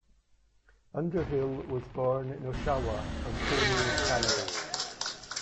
Underhill was born in Oshawa, Ontario, Canada.